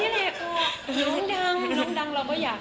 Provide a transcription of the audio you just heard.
อ๋อนี่แหละน้องดังน้องดังเราก็อยาก